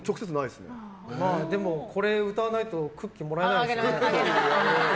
でも、これを歌わないとクッキーもらえないんですよね。